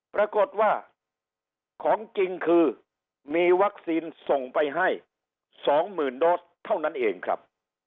ปรากฏว่าของจริงคือมีวัคซีนส่งไปให้๒๐๐๐โดสเท่านั้นเองครับ